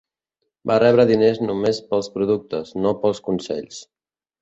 Va rebre diners només pels productes, no pels consells.